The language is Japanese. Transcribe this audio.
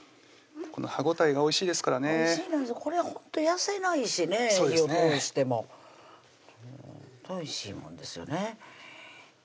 この歯応えがおいしいですからねこれほんと痩せないしね火を通してもほんとおいしいもんですよね